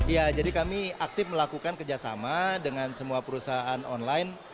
ya jadi kami aktif melakukan kerjasama dengan semua perusahaan online